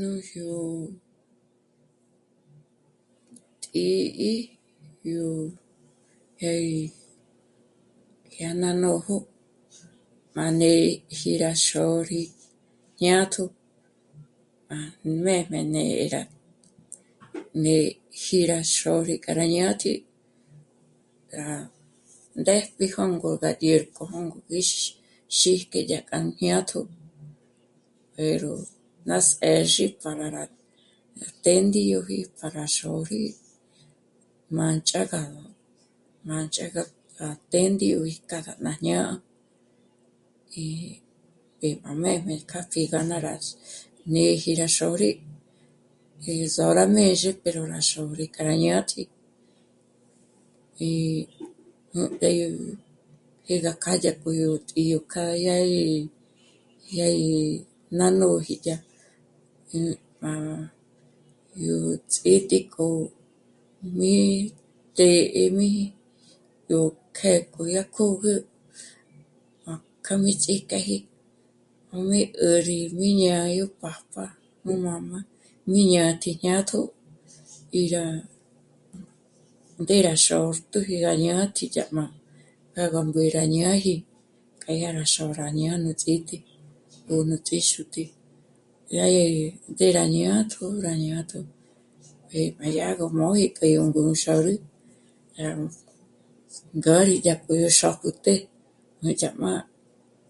Nújyo tǐ'i, yó, eh..., yá ná nójo, má néji rá xôri jñátjo à nú méjm'em'e rá néji rá xôri k'a rá ñátji k'a rá mbéjp'i jângo gá dyêrp'o o juízh..., xí k'e dyá k'o k'a nú jñájto pero ná së́'zhi para rá téndigoji para xôri, mánch'aga, mánch'aga à têndi ó k'a gá jñá'a í p'e ná néjm'e k'a pjí'i ná rá gá néji rá xôri, 'índzora mézhe pero má xûri k'a rá ñátji í b'ǘ mé jé gá kjâ'a dyó k'o yó tǐ'i k'o k'a yá gí, yá gí nà nóji yá..., nú..., má... yó ts'ítǐ'i k'o... mí të̌'m'eji yó kjë̌'ë k'o yá kö̌gü k'a mí ts'íjk'eji, nú má 'ä̀ri mí jñá'a nú pájp'a, nú máma, mí ñátji jñátjo í rá mbé rá xôtpjü rá ñátji yá má, jângo mbé rá ñáji k'a yá ró xôra ñá'a nú ts'ítǐ'i o nú ts'íxutǐ'i. Dyá gí ngé rá jñátjo, rá jñátjo, e má dyá gó móji k'o yó mbúnxarü dyá rú ngâri dyá k'a k'o gú xôp'ütjé, má dyá má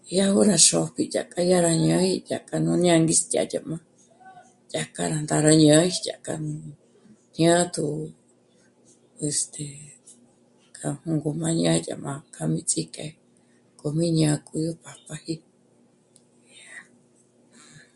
dyárú xôpji dyákja rá ñáji, dyajkja nú ñângistjya dyá nù, dyájkja rá ndára ñáji dyájk'a ñáji nú jñátjo, este..., k'a ngǔm'ü gá ñá'a dyà má k'a mí ts'íjk'e k'o ñá'a k'o yó pájp'aji